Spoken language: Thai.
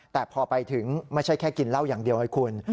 แต่พอไปถึงไม่ใช่แค่กินเหล้าอย่างเดียวให้คุณ